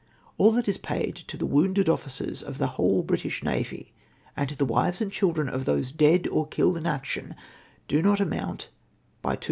All that is paid to the wounded officers of the whole British navy, and to the wives and children of those dead or killed in action, do not amount by 214